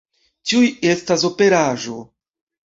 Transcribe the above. Ĉiuj estas operaĵo.